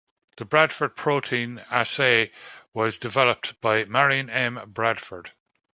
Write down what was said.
The Bradford protein assay was developed by Marion M. Bradford.